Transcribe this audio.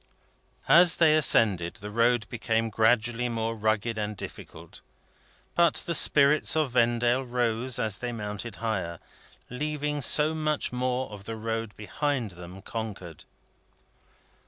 As they ascended, the road became gradually more rugged and difficult. But the spirits of Vendale rose as they mounted higher, leaving so much more of the road behind them conquered.